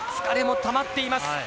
疲れもたまっています。